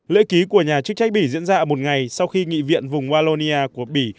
lễ ký của nhà chức trách bỉ diễn ra một ngày sau khi nghị viện vùng wallonia của bỉ